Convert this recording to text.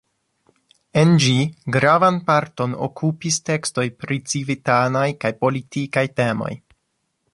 En ĝi gravan parton okupis tekstoj pri civitanaj kaj politikaj temoj.